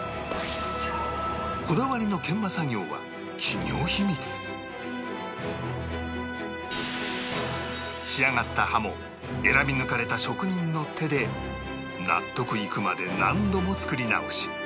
こだわりの仕上がった刃も選び抜かれた職人の手で納得いくまで何度も作り直し